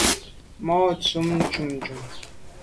Ma’ ntùm jujù.